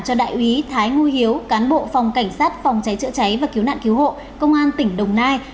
cho đại úy thái nguy hiếu cán bộ phòng cảnh sát phòng cháy chữa cháy và cứu nạn cứu hộ công an tỉnh đồng nai